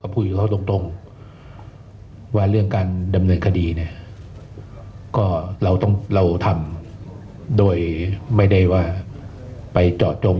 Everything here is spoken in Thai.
พูดกับเขาตรงว่าเรื่องการดำเนินคดีเนี่ยก็เราต้องเราทำโดยไม่ได้ว่าไปเจาะจง